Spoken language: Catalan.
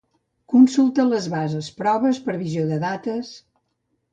Consulta les bases, proves, previsió de dates...